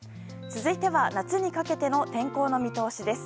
続いては夏にかけての天候の見通しです。